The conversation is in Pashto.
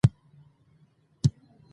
هغه غوښې چې دوی یې خوري، د انسانانو دي.